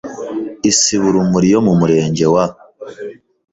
Isibo Urumuri yo mu murenge wa